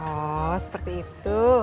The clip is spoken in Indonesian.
oh seperti itu